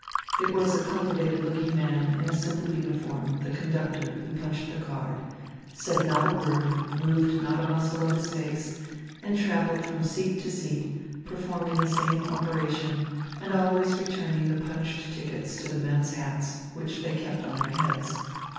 It was a cultivated looking man in a simple uniform, the conductor, who punched the card, said not a word, moved not a muscle of his face, and travelled from seat to seat, performing the same operation and always returning the punched tickets to the men's hats, which they kept on their heads.